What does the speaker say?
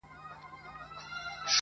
پردى غوښه په ځان پوري نه مښلي.